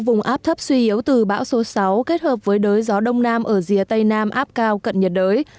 vùng áp thấp suy yếu từ bão số sáu kết hợp với đới gió đông nam ở dìa tây nam áp cao cận nhiệt đới